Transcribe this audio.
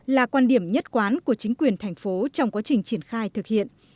là quan điểm nhất quán của chính quyền thành phố trong quá trình triển khai thực hiện